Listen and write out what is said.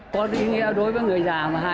có ý nghĩa đối với người già